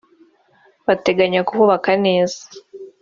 bateganya kuhubaka neza